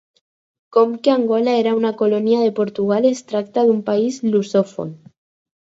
Com que Angola era una colònia de Portugal, es tracta d'un país lusòfon.